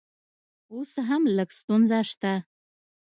اوس هم لږ ستونزه شته